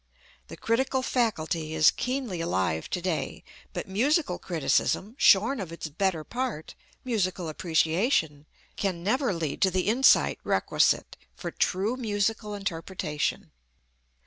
The critical faculty is keenly alive to day, but musical criticism, shorn of its better part, musical appreciation, can never lead to the insight requisite for true musical interpretation.